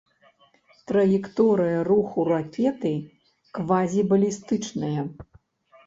Траекторыя руху ракеты квазібалістычная.